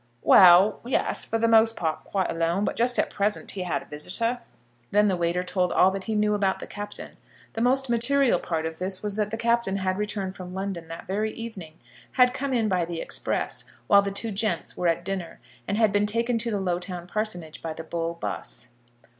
"Well, yes; for the most part quite alone. But just at present he had a visitor." Then the waiter told all that he knew about the Captain. The most material part of this was that the Captain had returned from London that very evening; had come in by the Express while the two "gents" were at dinner, and had been taken to the Lowtown parsonage by the Bull 'bus.